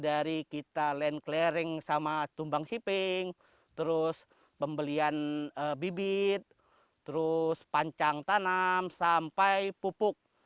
dari kita land clearing sama tumbang shipping terus pembelian bibit terus pancang tanam sampai pupuk